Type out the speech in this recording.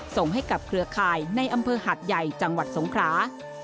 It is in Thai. ส่งให้กับเครือข่ายในอำเภอหาดใหญ่จังหวัดสงครา